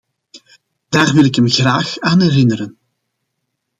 Daar wil ik hem graag aan herinneren.